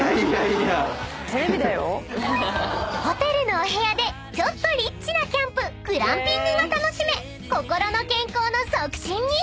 ［ホテルのお部屋でちょっとリッチなキャンプグランピングが楽しめ心の健康の促進に］